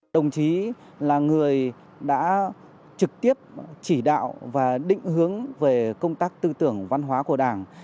đồng chí là người đã trực tiếp chỉ đạo và định hướng về công tác tư tưởng văn hóa của đảng